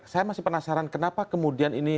saya masih penasaran kenapa kemudian ini